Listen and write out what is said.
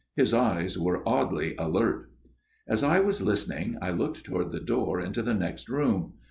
His eyes were oddly alert. " As I was listening I looked toward the door into the next room.